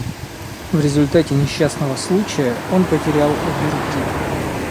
В результате несчастного случая он потерял обе руки.